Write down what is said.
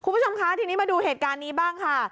คุณผู้ชมคะทีนี้มาดูเหตุการณ์นี้บ้างค่ะ